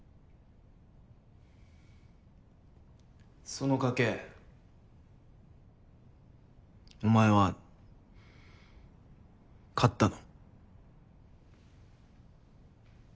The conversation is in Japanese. その賭けお前は勝ったの？